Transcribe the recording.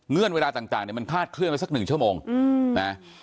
เงื่อนเวลาต่างเนี่ยมันคาดเคลื่อนไปสัก๑ชั่วโมงนะครับ